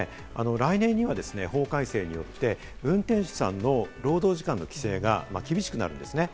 来年には法改正によって、運転手さんの労働時間の規制が厳しくなるんですね。